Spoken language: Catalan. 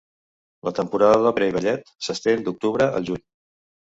La temporada d'òpera i ballet s'estén d'octubre al juny.